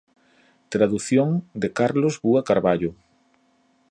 Tradución de Carlos Búa Carballo.